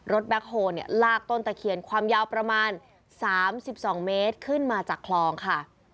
แบ็คโฮลลากต้นตะเคียนความยาวประมาณ๓๒เมตรขึ้นมาจากคลองค่ะ